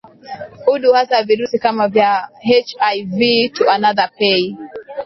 udu hasa virusi kama vya hiv to another pay